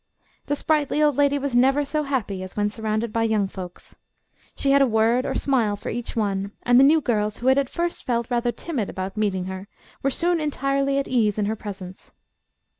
The sprightly old lady was never so happy as when surrounded by young folks. She had a word or smile for each one, and the new girls who had at first felt rather timid about meeting her, were soon entirely at ease in her presence.